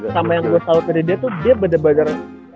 sama yang gue tahu dari dia tuh dia bener bener